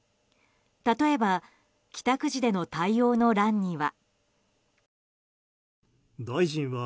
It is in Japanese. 例えば帰宅時での対応の欄には。